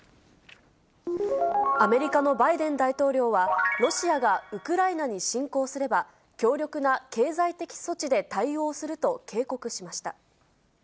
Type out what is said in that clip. アメリカのバイデン大統領は、ロシアがウクライナに侵攻すれば、強力な経済的措置で対応すると警告しました。